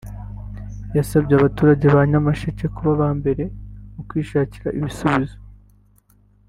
yasabye abaturage ba Nyamasheke kuba aba mbere mu kwishakamo ibisubizo